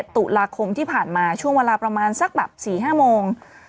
ตุลาคมที่ผ่านมาช่วงเวลาประมาณสักแบบ๔๕โมง